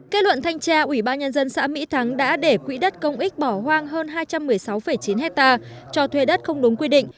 kết luận thanh tra ủy ban nhân dân xã mỹ thắng đã để quỹ đất công ích bỏ hoang hơn hai trăm một mươi sáu chín hectare cho thuê đất không đúng quy định